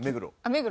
目黒。